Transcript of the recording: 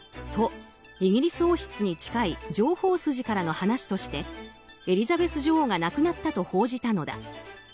と、イギリス王室に近い情報筋の話としてエリザベス女王が亡くなったと報じたのだ。